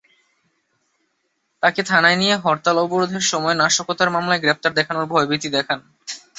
তাঁকে থানায় নিয়ে হরতাল-অবরোধের সময় নাশকতার মামলায় গ্রেপ্তার দেখানোর ভয়ভীতি দেখান।